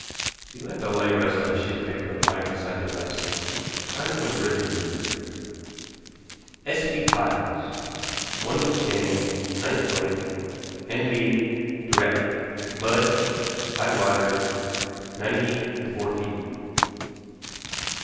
He let the light rest on a sheet of paper lying beside the glasses. On it was written: "S. B. Piles one with chain 9th link. N. B. Direct. Mud high water 90 and 4 feet."